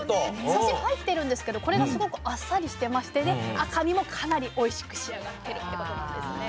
サシ入ってるんですけどこれがすごくあっさりしてましてで赤身もかなりおいしく仕上がってるってことなんですね。